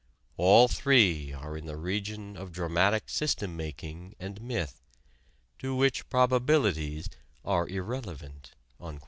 All three are in the region of dramatic system making and myth, to which probabilities are irrelevant."